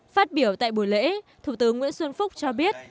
phát biểu tại buổi lễ thủ tướng nguyễn xuân phúc cho biết